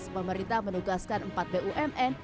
pemerintah menugaskan empat bumn